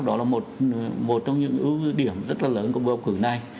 đó là một trong những ưu điểm rất là lớn của bầu cử này